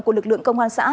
của lực lượng công an xã